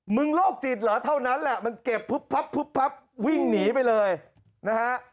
โรคจิตเหรอเท่านั้นแหละมันเก็บพุบพับวิ่งหนีไปเลยนะฮะ